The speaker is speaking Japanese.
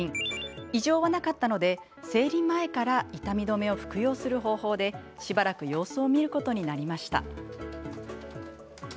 異常はなかったので生理前から痛み止めを服用する方法でしばらく様子を見ることになりました。